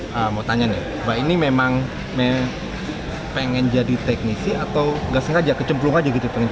saya mau tanya nih mbak ini memang pengen jadi teknisi atau nggak sengaja kecemplung aja gitu